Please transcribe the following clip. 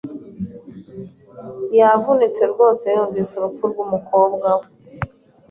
Yavunitse rwose yumvise urupfu rwumukobwa we.